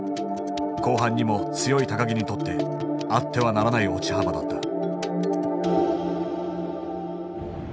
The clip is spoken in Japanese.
後半にも強い木にとってあってはならない落ち幅だった。